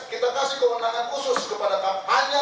kita kasih kewenangan khusus hanya kepada kpk